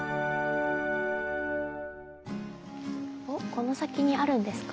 この先にあるんですか？